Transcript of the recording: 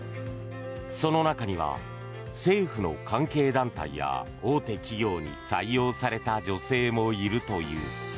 その中には政府の関係団体や大手企業に採用された女性もいるという。